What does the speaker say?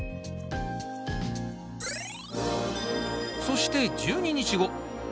そして１２日後。